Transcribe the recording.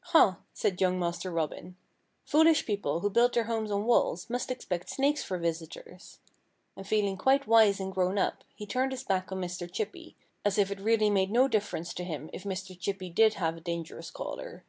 "Huh!" said young Master Robin. "Foolish people who build their homes on walls must expect snakes for visitors." And feeling quite wise and grown up, he turned his back on Mr. Chippy, as if it really made no difference to him if Mr. Chippy did have a dangerous caller.